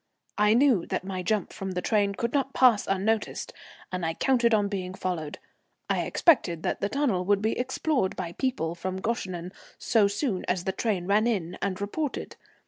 I knew that my jump from the train could not pass unnoticed, and I counted on being followed. I expected that the tunnel would be explored by people from Goeschenen so soon as the train ran in and reported.